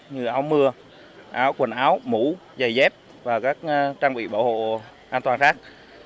như áo mưa quần áo mũ giày dép và các trang bị bảo hộ an toàn khác